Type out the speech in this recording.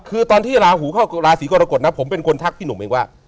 คือตอนที่ราหูเข้าราศีกรกฎนะผมเป็นคนทักพี่หนุ่มเองว่า